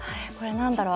何だろう。